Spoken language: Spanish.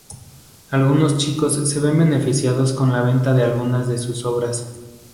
Algunos chicos se ven beneficiados con la venta de algunas de sus obras.